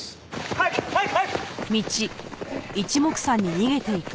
早く早く！